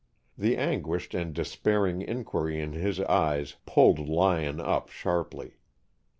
The anguished and despairing inquiry in his eyes pulled Lyon up sharply.